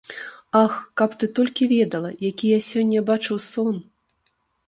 Ах, каб ты толькi ведала, якi я сёння бачыў сон!..